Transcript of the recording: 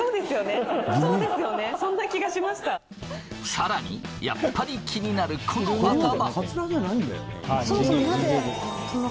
さらにやっぱり気になるこの頭。